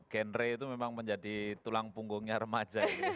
genre itu memang menjadi tulang punggungnya remaja ini